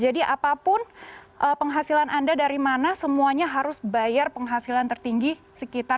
jadi apapun penghasilan anda dari mana semuanya harus bayar penghasilan tertinggi sekitar tiga puluh